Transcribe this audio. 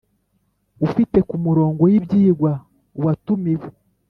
ifite ku murongo w ibyigwa Uwatumiwe